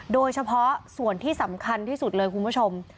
โดยเฉพาะส่วนที่สำคัญที่สุดเลยคุณผู้ชม